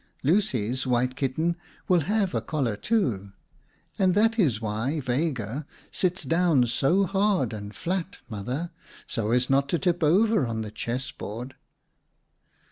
Lucy's white kitten will have a collar, too. And that is why Vega sits down so hard and flat, Mother, so as not to tip over on the chess board."